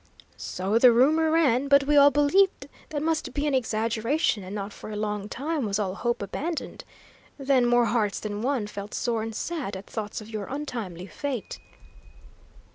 "So the rumour ran, but we all believed that must be an exaggeration, and not for a long time was all hope abandoned. Then, more hearts than one felt sore and sad at thoughts of your untimely fate."